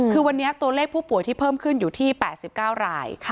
คือวันนี้ตัวเลขผู้ป่วยที่เพิ่มขึ้นอยู่ที่๘๙ราย